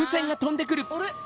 あれ？